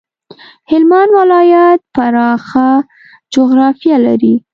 هلمند ولایت پراخه جغرافيه لري.